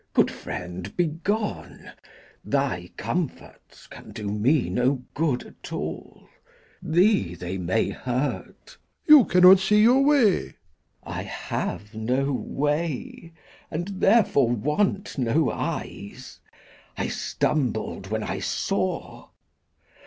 Good friend, be gone. Thy comforts can do me no good at all; Thee they may hurt. Old Man. You cannot see your way. Glou. I have no way, and therefore want no eyes; I stumbled when I saw.